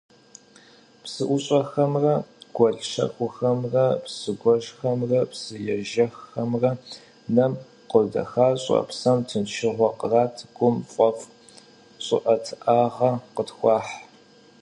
Псыӏущӏэхэмрэ гуэл щэхухэмрэ, псыгуэжхэмрэ псыежэххэмрэ нэм къодэхащӏэ, псэм тыншыгъуэ кърат, гум фӏэфӏ щӏыӏэтыӏагъэ къытхуахь.